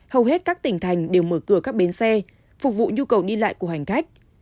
hầu hết các tỉnh thành đều mở cửa các bến xe phục vụ nhu cầu đi lại của hành khách